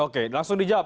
oke langsung dijawab